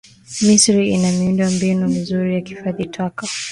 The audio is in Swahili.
Misri ina miundo mbinu mizuri ya kuhifadhi taka